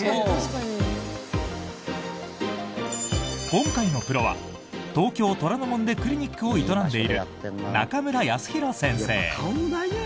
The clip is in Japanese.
今回のプロは東京・虎ノ門でクリニックを営んでいる中村康宏先生。